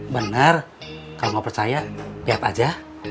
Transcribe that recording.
bener kalau gak percaya lihat aja